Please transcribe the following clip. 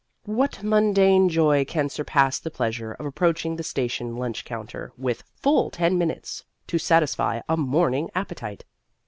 What mundane joy can surpass the pleasure of approaching the station lunch counter, with full ten minutes to satisfy a morning appetite!